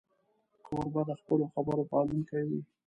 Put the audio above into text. کوربه د خپلو خبرو پالونکی وي.